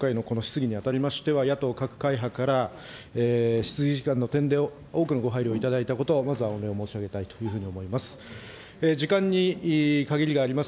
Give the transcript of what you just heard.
まず冒頭、今回のこの質疑に当たりましては、野党各会派から質疑時間の点で多くのご配慮をいただいたことをまずは御礼申し上げたいというふうに思います。